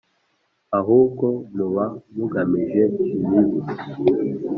ahubwo muba mugamije ibibi